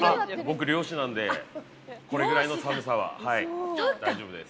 僕、漁師なんでこれぐらいの寒さは大丈夫です。